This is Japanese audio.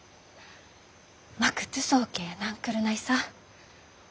まくとぅそーけーなんくるないさー。